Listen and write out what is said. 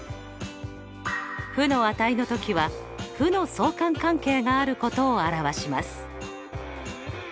負の値の時は負の相関関係があることを表します。